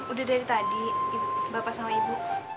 udah dari tadi bapak sama ibu